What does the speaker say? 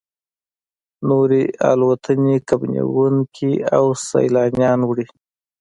نورې الوتنې کب نیونکي او سیلانیان وړي